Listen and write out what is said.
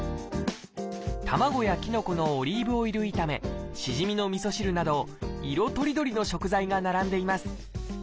卵やキノコのオリーブオイル炒めしじみのみそ汁など色とりどりの食材が並んでいます。